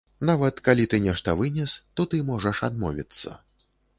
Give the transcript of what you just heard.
Нават калі ты нешта вынес, то ты можаш адмовіцца.